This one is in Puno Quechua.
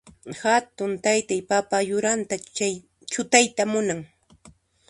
Hatun taytay papa yuranta chutayta munan.